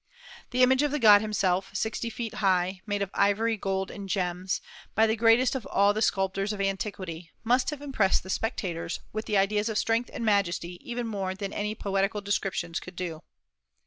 The image of the god himself, sixty feet high, made of ivory, gold, and gems by the greatest of all the sculptors of antiquity, must have impressed spectators with ideas of strength and majesty even more than any poetical descriptions could do.